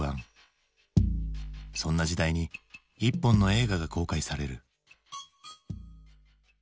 そんな時代に一本の映画が公開される。